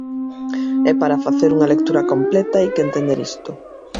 E para facer unha lectura completa hai que entender isto.